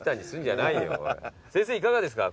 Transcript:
先生いかがですか？